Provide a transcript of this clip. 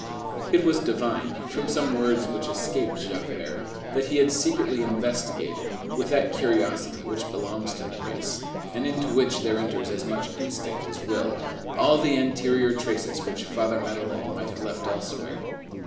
It was divined, from some words which escaped Javert, that he had secretly investigated, with that curiosity which belongs to the race, and into which there enters as much instinct as will, all the anterior traces which Father Madeleine might have left elsewhere.